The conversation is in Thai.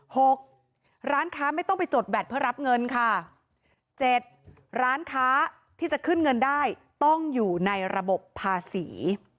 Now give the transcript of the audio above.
หกร้านค้าไม่ต้องไปจดแบตเพื่อรับเงินค่ะเจ็ดร้านค้าที่จะขึ้นเงินได้ต้องอยู่ในระบบภาษี